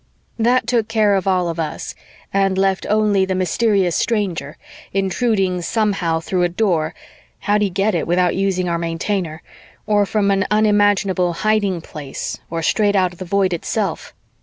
That took care of all of us and left only the mysterious stranger, intruding somehow through a Door (how'd he get it without using our Maintainer?) or from an unimaginable hiding place or straight out of the Void itself.